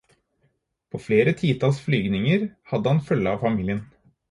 På flere titalls flygninger hadde han følge av familien.